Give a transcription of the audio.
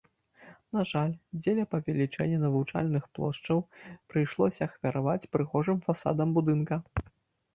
На жаль, дзеля павелічэння навучальных плошчаў прыйшлося ахвяраваць прыгожым фасадам будынка.